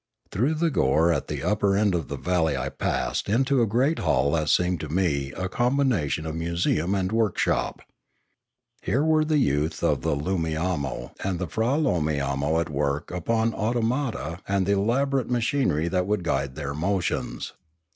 Through the gorge at the upper end of the valley I passed into a great hall that seemed to me a combination of a museum and workshop. Here were the youth of the Loomiamo and the Fra loomiamo at work upon automata and the elaborate ma chinery that would guide their motions.